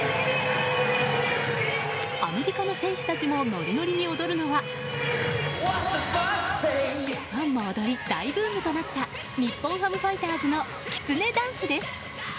アメリカの選手たちもノリノリに踊るのはファンも踊り、大ブームとなった日本ハムファイターズのきつねダンスです。